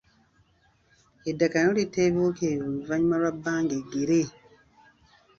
Eddagala nalyo litta ebiwuka ebyo buli luvannyuma lwa bbanga eggere.